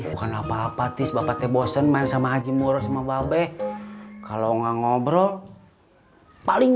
bukan apa apa tis bapak tebosen main sama haji muro sama babe kalau nggak ngobrol paling